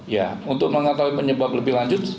ya untuk mengetahui penyebab lebih lanjut